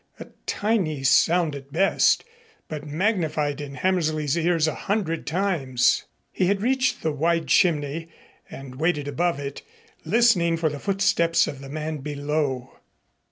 A tiny sound at best, but magnified in Hammersley's ears a hundred times. He had reached the wide chimney and waited above it, listening for the footsteps of the man below.